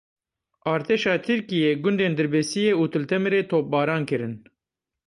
Artêşa Tirkiyê gundên Dirbêsiyê û Til Temirê topbaran kirin.